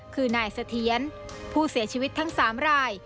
คือนายเสถียรผู้เสียชีวิตทั้ง๓ราย